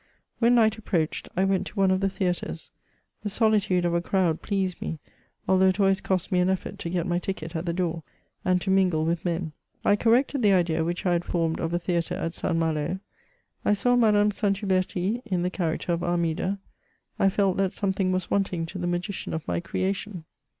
When night approached, I went to one of the theatres ; the solitude of a crowd pleased me, although it always cost me an effort to get my ticket at the door, and to mingle with men. I corrected the^idea which I had formed of a theatre at St. Malo. I saw Madame Saint Huberti in the character of Armida ; I felt that something was wanting to the magician of my creation.